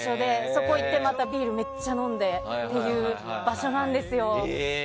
そこでビールめっちゃ飲んでっていう場所なんですよ。